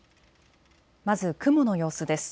まず雲の様子です。